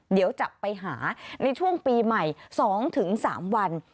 เดี๋ยวจะไปหาในช่วงปีใหม่๒๓วัน